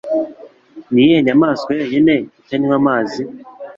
Niyihe nyamaswa yonyine itanywa amazi?